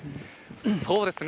そうですね。